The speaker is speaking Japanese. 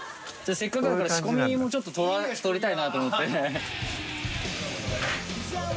せっかくだから仕込みもちょっと撮りたいなと思って。